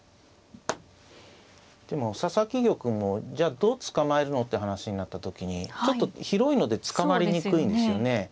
でも佐々木玉もじゃあどう捕まえるのって話になった時にちょっと広いので捕まりにくいんですよね。